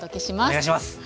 お願いします！